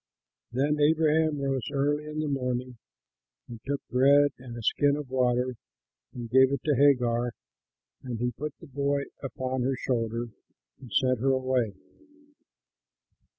Then Abraham rose early in the morning and took bread and a skin of water and gave it to Hagar; and he put the boy upon her shoulder and sent her away.